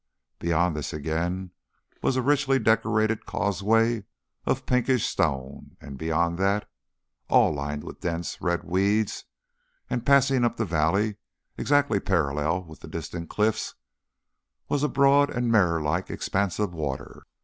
Beyond this again was a richly decorated causeway of pinkish stone; and beyond that, and lined with dense red weeds, and passing up the valley exactly parallel with the distant cliffs, was a broad and mirror like expanse of water.